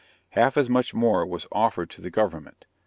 Half as much more was offered to the government.